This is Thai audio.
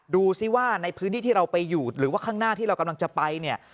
ดูสิว่าในพื้นที่ที่เราไปอยู่หรือว่าข้างหน้าที่เรากำลังจะไปเนี่ย